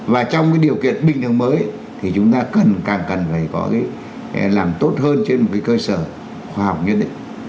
và trong cái điều kiện bình thường mới thì chúng ta càng cần phải có cái làm tốt hơn trên một cái cơ sở khoa học nhất định